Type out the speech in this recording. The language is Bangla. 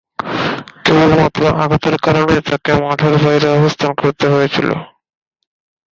কেবলমাত্র আঘাতের কারণেই তাকে মাঠের বাইরে অবস্থান করতে হয়েছিল।